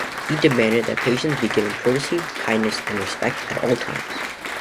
He demanded that patients be given courtesy, kindness and respect at all times.